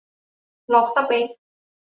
"ล็อกสเป็ค" ?